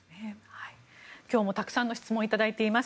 今日もたくさんの質問をいただいています。